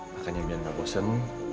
makanya biar gak bosan